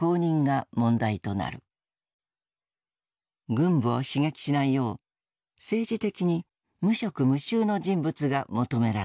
軍部を刺激しないよう政治的に「無色無臭」の人物が求められた。